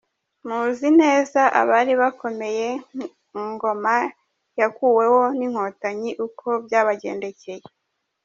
Muzi neza abari bakomeye mu ngoma yakuweho n’inkotanyi uko byabagendekeye.